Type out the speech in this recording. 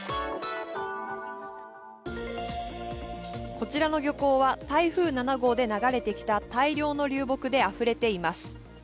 こちらの漁港は台風７号で流れてきた大量の流木であふれています。